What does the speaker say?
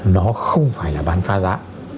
nó không phải là bán phá giá